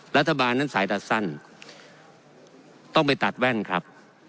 รัฐบาลนั้นสายตัดสั้นต้องไปตัดแว่นครับ